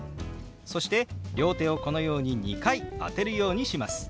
そして両手をこのように２回当てるようにします。